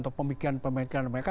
atau pemikiran pemikiran mereka